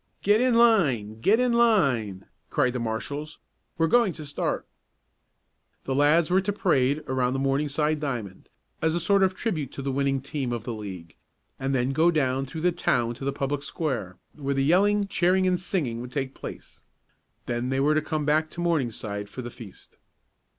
"Get in line! Get in line!" cried the marshals. "We're going to start." The lads were to parade around the Morningside diamond, as a sort of tribute to the winning team of the league, and then go down through the town to the public square, where the yelling, cheering and singing would take place. Then they were to come back to Morningside for the feast.